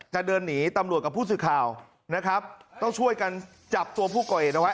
จะเดินหนีตำรวจกับผู้สื่อข่าวนะครับต้องช่วยกันจับตัวผู้ก่อเหตุเอาไว้